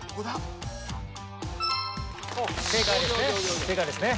正解ですね。